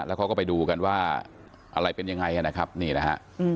แล้วเขาก็ไปดูกันว่าอะไรเป็นยังไงนะครับนี่นะฮะ